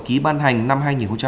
ký ban hành năm hai nghìn một mươi ba